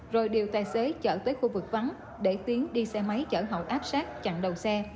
rồi điều tài xế chở tới khu vực vắng để tiến đi xe máy chở hậu áp sát chặn đầu xe